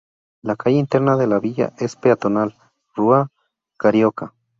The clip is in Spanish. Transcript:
La calle interna de la villa es peatonal, Rua Carioca.